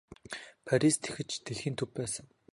Парис тэгэхэд ч дэлхийн төв байсан.